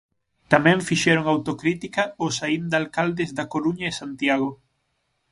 Tamén fixeron autocrítica os aínda alcaldes da Coruña e Santiago.